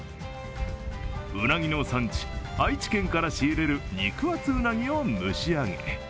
うなぎの産地、愛知県から仕入れる肉厚うなぎを蒸し上げ